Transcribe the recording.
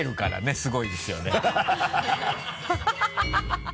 すごいですよね